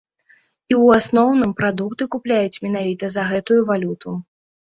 І ў асноўным прадукты купляюць менавіта за гэтую валюту.